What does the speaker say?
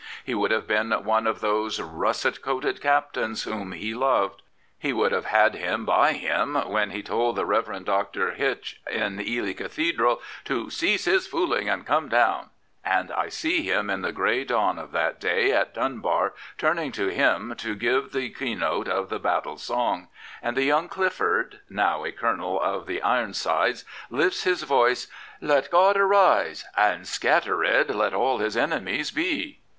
He would have been one of those " russet coated captains whom he loved. He would have had him by him when he told the Rev. Mr. Hytch in Ely Cathedral to cease his fooling and come down,'* and I see him in the grey dawn of that day at Dunbar turning to him to give the keynote of the battle song, and young Clifford — now a colonel of the Ironsides — lifts his voice : Let God arise and scatter ed Let all his enemies be.